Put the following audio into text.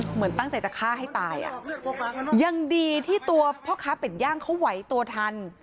เหมือนตั้งใจจะฆ่าให้ตายอ่ะยังดีที่ตัวพ่อค้าเป็ดย่างเขาไหวตัวทัน